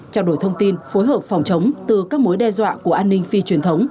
trao đổi thông tin phối hợp phòng chống từ các mối đe dọa của an ninh phi truyền thống